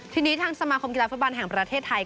ทีนี้ทางสมาคมกีฬาฟุตบอลแห่งประเทศไทย